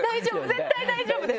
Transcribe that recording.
絶対大丈夫です！